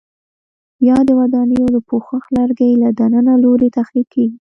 یا د ودانیو د پوښښ لرګي له دننه لوري تخریب کېږي؟